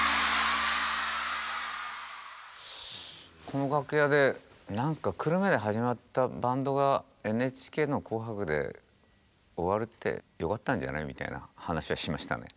この楽屋で何か久留米で始まったバンドがＮＨＫの「紅白」で終わるってよかったんじゃないみたいな話はしましたね。